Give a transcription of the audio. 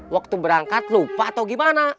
waktu berangkat lupa atau gimana